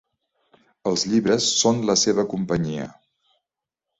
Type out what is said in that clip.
Els llibres són la seva companyia.